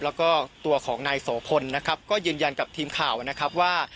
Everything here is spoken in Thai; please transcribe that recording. แล้วก็ตัวของนายโสพลนะครับก็ยืนยันกับทีมข่าวนะครับว่า